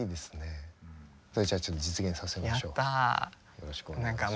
よろしくお願いします。